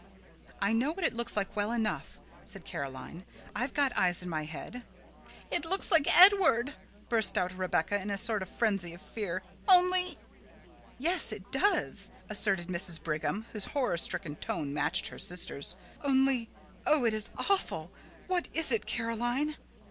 "I know what it looks like well enough," said Caroline. "I've got eyes in my head." "It looks like Edward," burst out Rebecca in a sort of frenzy of fear. "Only " "Yes, it does," assented Mrs. Brigham, whose horror stricken tone matched her sisters', "only Oh, it is awful! What is it, Caroline?"